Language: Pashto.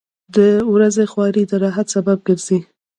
• د ورځې خواري د راحت سبب ګرځي.